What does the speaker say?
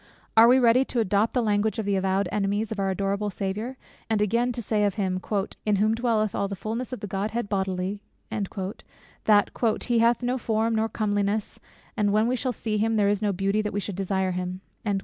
Are we ready to adopt the language of the avowed enemies of our adorable Saviour; and again to say of him "in whom dwelleth all the fulness of the Godhead bodily," that "he hath no form nor comeliness; and when we shall see him, there is no beauty that we should desire him?"